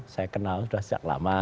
saya kenal sudah sejak lama